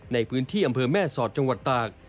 ในพื้นที่อำเภอแม่สอดจังหวัดตาก